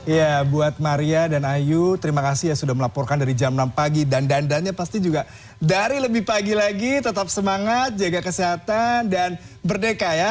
ya buat maria dan ayu terima kasih ya sudah melaporkan dari jam enam pagi dan dandannya pasti juga dari lebih pagi lagi tetap semangat jaga kesehatan dan berdeka ya